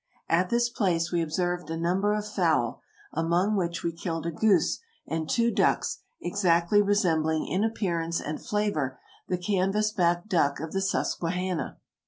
At this place we ob served a number of fowl, among which we killed a goose and two ducks exactly resembling in appearance and flavor the canvas back duck of the Susquehanna.